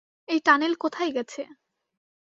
এই টানেল কোথায় গেছে?